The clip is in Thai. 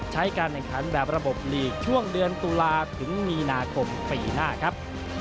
ใช้การแบบระบบลีกช่วงเดือนตุลาคมถึงมีนาคมปีหน้าครับ